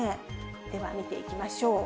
では見ていきましょう。